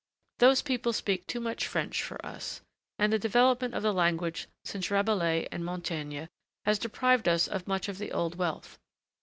Those people speak too much French for us, and the development of the language since Rabelais and Montaigne has deprived us of much of the old wealth.